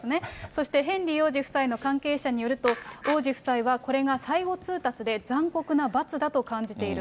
そしてヘンリー王子夫妻の関係者によると、王子夫妻はこれが最後通達で、残酷な罰だと感じている。